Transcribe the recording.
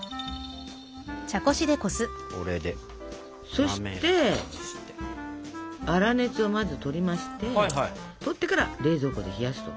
そして粗熱をまずとりましてとってから冷蔵庫で冷やすと。